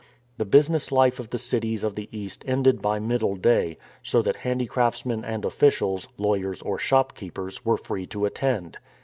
The busi ness life of the cities of the East ended by middle day, so that handicraftsmen and officials, lawyers or shopkeepers, were free to attend.